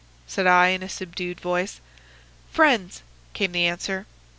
said I, in a subdued voice. "'Friends,' came the answer.